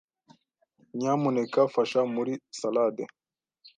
Nyamuneka fasha muri salade.